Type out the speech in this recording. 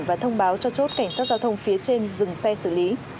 và thông báo cho chốt cảnh sát giao thông phía trên dừng xe xử lý